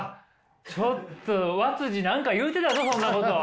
ちょっと和何か言うてたぞそんなこと。